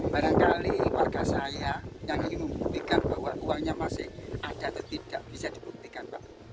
barangkali warga saya yang ingin membuktikan bahwa uangnya masih ada atau tidak bisa dibuktikan